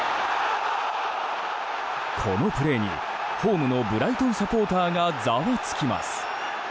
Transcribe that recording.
このプレーにホームのブライトンサポーターがざわつきます。